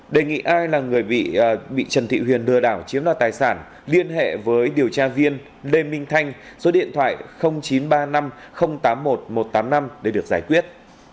đề nghị ai là người bị trần thị huyền lừa đảo chiếm đoạt tài sản liên hệ với điều tra viên lê minh thanh số điện thoại chín trăm ba mươi năm tám mươi một một trăm tám mươi năm để được giải quyết